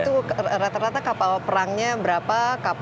itu rata rata kapal perangnya berapa